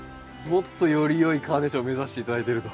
もっとよりよいカーネーションを目指して頂いてると。